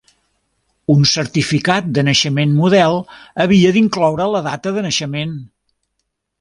Un certificat de naixement model havia d'incloure la data de naixement.